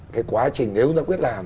cái quá trình nếu ta quyết làm